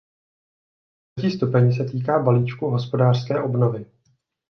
Třetí stupeň se týká balíčku hospodářské obnovy.